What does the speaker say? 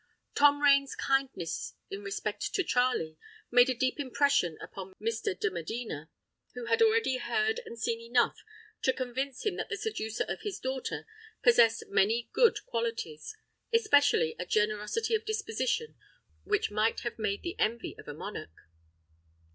Tom Rain's kindness in respect to Charley made a deep impression upon Mr. de Medina, who had already heard and seen enough to convince him that the seducer of his daughter possessed many good qualities; especially a generosity of disposition which might have made the envy of a monarch.